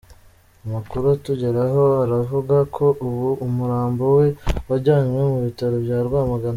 Amakuru atugeraho aravuga ko ubu umurambo we wajyanywe mu bitaro bya Rwamagana.